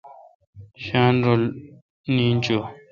شاین رل نین چو۔